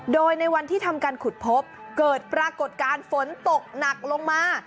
โดยในวันที่ทำการขุดพบเกิดปรากฏการณ์ฝนตกหนักลงมา